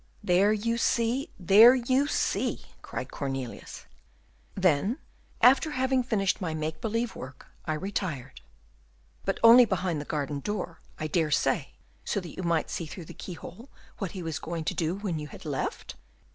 "There you see, there you see!" cried Cornelius. "Then, after having finished my make believe work, I retired." "But only behind the garden door, I dare say, so that you might see through the keyhole what he was going to do when you had left?"